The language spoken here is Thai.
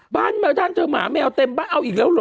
แมวด้านเธอหมาแมวเต็มบ้านเอาอีกแล้วเหรอ